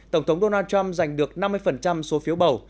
tổng thống donald trump giành được năm mươi số phiếu bầu